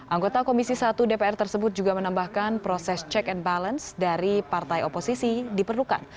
anggota komisi satu dpr tersebut juga menambahkan proses check and balance dari partai oposisi diperlukan